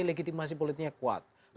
legitimasi politiknya kuat